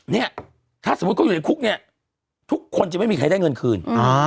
เนี่ยถ้าสมมุติเขาอยู่ในคุกเนี่ยทุกคนจะไม่มีใครได้เงินคืน